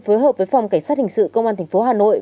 phối hợp với phòng cảnh sát hình sự công an thành phố hà nội